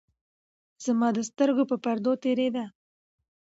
زمـا د سـترګو پـر پـردو تېـرېده.